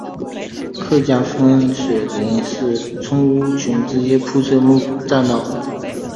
客家风水林与村屋群之间铺设木栈道。